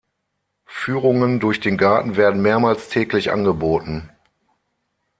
Führungen durch den Garten werden mehrmals täglich angeboten.